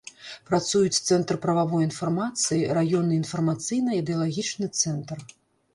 Працуюць цэнтр прававой інфармацыі, раённы інфармацыйна-ідэалагічны цэнтр.